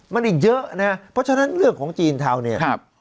มันอีกเยอะนะเพราะฉะนั้นเรื่องของจีนเทาเนี่ย